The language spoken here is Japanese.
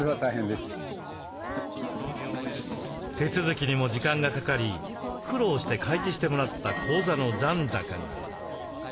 手続きにも時間がかかり苦労して開示してもらった口座の残高が。